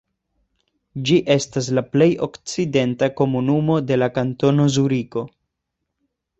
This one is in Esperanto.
Ĝi estas la plej okcidenta komunumo de la Kantono Zuriko.